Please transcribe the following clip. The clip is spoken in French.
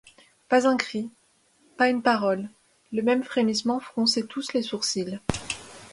Pas un cri, pas une parole, le même frémissement fronçait tous les sourcils.